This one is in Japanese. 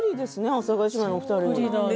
阿佐ヶ谷姉妹のお二人。